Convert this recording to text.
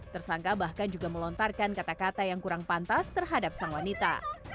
tersangka bahkan juga melontarkan kata kata yang kurang pantas terhadap sang wanita